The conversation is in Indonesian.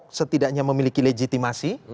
pak ahok setidaknya memiliki legitimasi